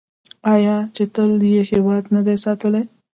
آیا چې تل یې هیواد نه دی ساتلی؟